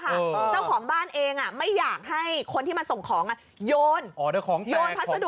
เจ้าของบ้านเองไม่อยากให้คนที่มาส่งของโยนพัสดุ